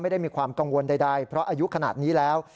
ไม่ได้มีความกังวลใดเพราะอายุขนาดนี้แล้ว